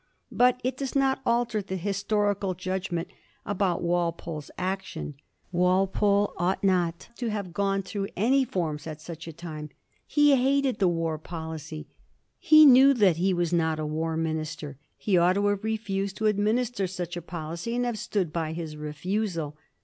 Bat it does not alter the historical judgment abont Walpole's 1740. WALPOLE'S FATAL MISTAKE. 181 action. Walpole ought not to have gone through any forms at such a time. He hated the war policy ; he knew that he was not a war minister ; he ought to have refused to administer such a policy, and have stood by his refusal.